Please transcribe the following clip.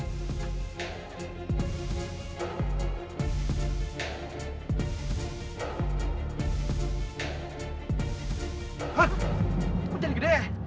hah kok jadi gede